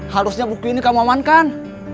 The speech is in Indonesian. harusnya buku ini kamu amankan